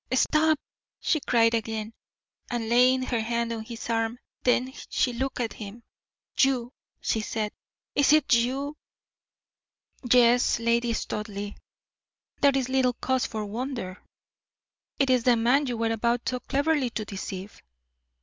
"Stop!" she cried again, and laying her hand on his arm; then she looked at him. "You!" she said "is it you?" "Yes, Lady Studleigh; there is little cause for wonder it is the man you were about so cleverly to deceive."